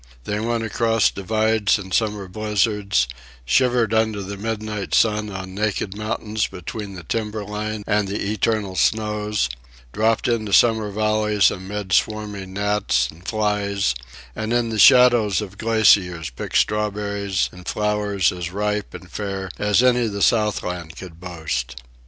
They went across divides in summer blizzards, shivered under the midnight sun on naked mountains between the timber line and the eternal snows, dropped into summer valleys amid swarming gnats and flies, and in the shadows of glaciers picked strawberries and flowers as ripe and fair as any the Southland could boast.